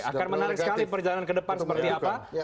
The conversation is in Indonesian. akan menarik sekali perjalanan ke depan seperti apa